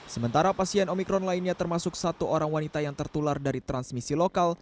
sementara pasien omikron lainnya termasuk satu orang wanita yang tertular dari transmisi lokal